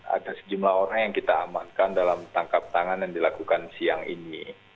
ada sejumlah orang yang kita amankan dalam tangkap tangan yang dilakukan siang ini